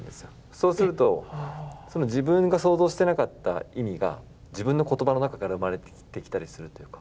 そうすると自分が想像してなかった意味が自分の言葉の中から生まれてきたりするというか。